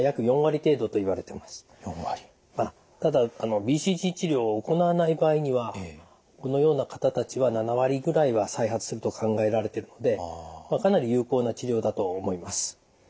ただＢＣＧ治療を行わない場合にはこのような方たちは７割ぐらいは再発すると考えられてるのでかなり有効な治療だと思います。